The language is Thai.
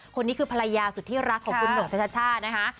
คนนี้คือภรรยาสุดที่รักของคุณหน่งชช่านะคะ